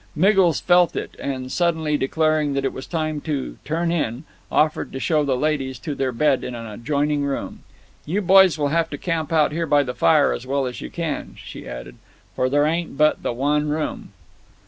Miggles felt it; and, suddenly declaring that it was time to "turn in," offered to show the ladies to their bed in an adjoining room. "You boys will have to camp out here by the fire as well as you can," she added, "for thar ain't but the one room."